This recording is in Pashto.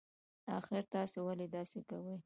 اخر تاسي ولې داسی کوئ